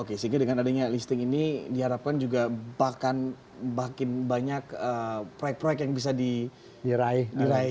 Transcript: oke sehingga dengan adanya listing ini diharapkan juga bahkan banyak proyek proyek yang bisa diraih